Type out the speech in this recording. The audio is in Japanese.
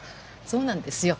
そうなんですよ。